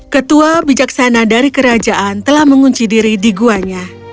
ketua bijaksana dari kerajaan telah mengunci diri di guanya